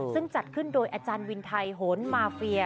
ซึ่งจัดขึ้นโดยอาจารย์วินไทยโหนมาเฟีย